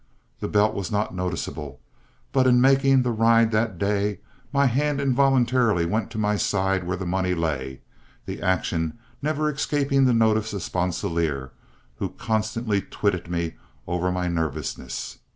The belt was not noticeable, but in making the ride that day, my hand involuntarily went to my side where the money lay, the action never escaping the notice of Sponsilier, who constantly twitted me over my nervousness.